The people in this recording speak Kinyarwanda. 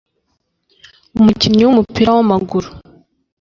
Umukinnyi wumupira wamaguru